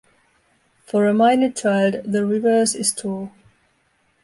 For a minor child, the reverse is true.